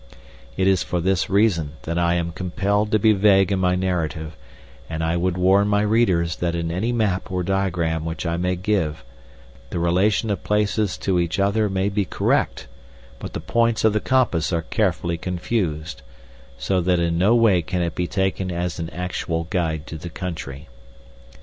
It is for this reason that I am compelled to be vague in my narrative, and I would warn my readers that in any map or diagram which I may give the relation of places to each other may be correct, but the points of the compass are carefully confused, so that in no way can it be taken as an actual guide to the country.